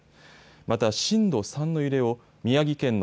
また震度３の揺れを宮城県の